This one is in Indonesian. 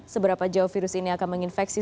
seberapa jauh virus ini akan menginfeksi